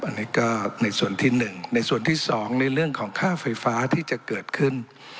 อันนี้ก็ในส่วนที่๑ในส่วนที่๒ในเรื่องของค่าไฟฟ้าที่จะเกิดขึ้น